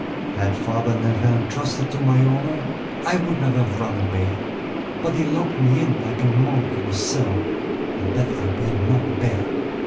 "Had Father Nevin trusted to my honor, I would not have run away; but he locked me in, like a monk in a cell, and that I will not bear.